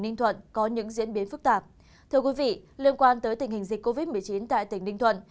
ninh thuận có những diễn biến phức tạp liên quan tới tình hình dịch covid một mươi chín tại tỉnh ninh thuận